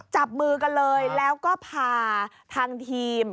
จับมือกันเลยแล้วก็พาทางทีม